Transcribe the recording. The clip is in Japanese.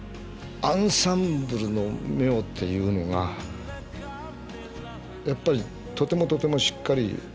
アンサンブルの妙っていうのがやっぱりとてもとてもしっかりしてるし。